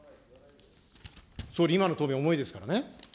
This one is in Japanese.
総理、今の答弁、重いですからね。